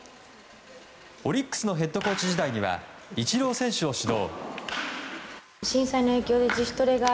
オリックスのヘッドコーチ時代にはイチロー選手を指導。